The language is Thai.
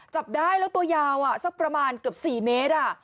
จับได้แล้วตัวยาวสักประมาณเกือบ๔เมตร